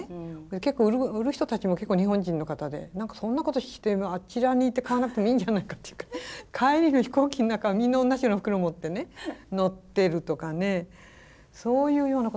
結構売る人たちも日本人の方で何かそんなことしてあちらに行って買わなくてもいいんじゃないかっていうか帰りの飛行機の中みんな同じような袋持って乗ってるとかねそういうようなこと。